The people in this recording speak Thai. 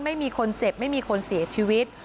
ไม่มีคนเจ็บไม่มีคนเสียชีวิต